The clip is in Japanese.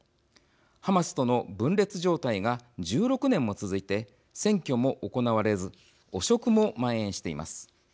ハマスとの分裂状態が１６年も続いて選挙も行われず汚職もまん延しています。